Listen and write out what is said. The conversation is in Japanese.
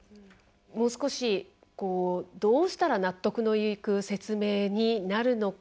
もう少しどうしたら、納得のいく説明になるのか。